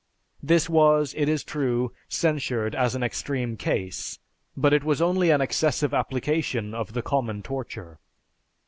This was, it is true, censured as an extreme case, but it was only an excessive application of the common torture.